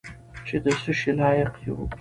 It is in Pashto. چې د څه شي لایق یو .